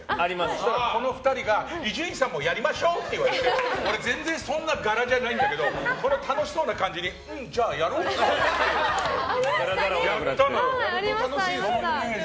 そうしたら、この２人が伊集院さんもやりましょう！って言われて俺、全然そんながらじゃないんだけどこの楽しそうな感じにやろうか！ってやったんだよ。